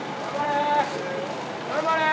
頑張れー！